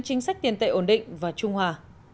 chính sách tiền tệ ổn định và trung hòa